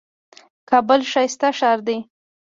کابل ښايسته ښار دئ.